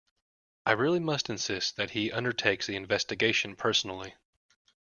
I really must insist that he undertakes the investigation personally.